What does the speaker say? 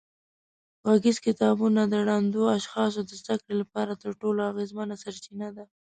غږیز کتابونه د ړندو اشخاصو د زده کړې لپاره تر ټولو اغېزمنه سرچینه ده.